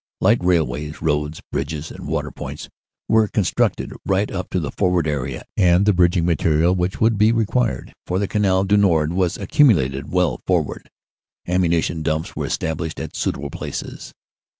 "Light railways, roads, bridges and water points were con structed right up to the forward area, and the bridging material which would be required for the Canal du Nord was accumulated well forward. Ammunition dumps were estab lished at suitable places.